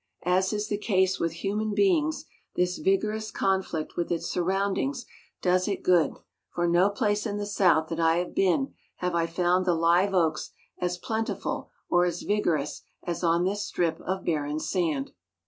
As is the case with human beings, this vigorous conflict with its surroundings does it good; for no place in the South that I have been have I found the live oaks as plentiful or as vigorous as on this strip of barren sand.